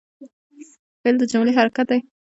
فعل د جملې حرکت دئ.